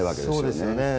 そうですよね。